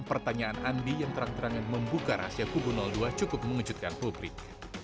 pertanyaan andi yang terang terangan membuka rahasia kubu dua cukup mengejutkan publik